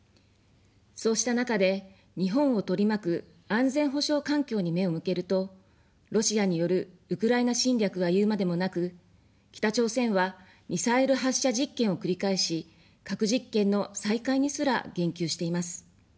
そうした中で、日本を取り巻く安全保障環境に目を向けると、ロシアによるウクライナ侵略は言うまでもなく、北朝鮮はミサイル発射実験を繰り返し、核実験の再開にすら言及しています。